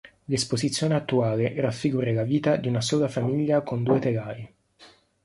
L'esposizione attuale raffigura la vita di una sola famiglia con due telai.